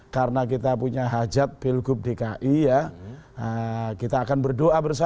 karena kita punya hajat pilgub dki ya kita akan berdoa berdoa